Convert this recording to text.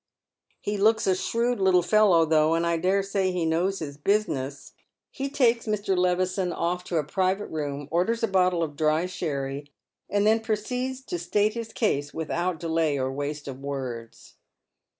" He looks a shrewd little fellow though, and I dare say he knows his business." He takes Mr. Levison off to a private room, orders a bottle of dry sheiTy, and then proceeds to state his case without delay or waste of words.